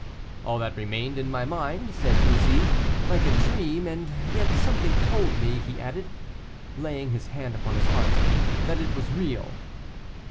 "All that remained in my mind," said Bussy, "like a dream, and yet something told me," added he, laying his hand upon his heart, "that it was real."